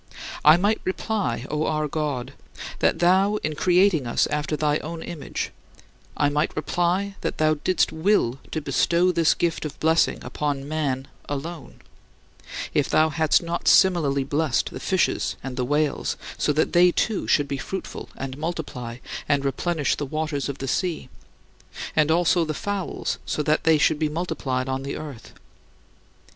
I might reply, O our God, that thou in creating us after thy own image I might reply that thou didst will to bestow this gift of blessing upon man alone, if thou hadst not similarly blessed the fishes and the whales, so that they too should be fruitful and multiply and replenish the waters of the sea; and also the fowls, so that they should be multiplied on the earth.